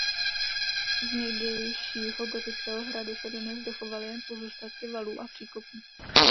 Z někdejšího gotického hradu se dodnes dochovaly jen pozůstatky valů a příkopů.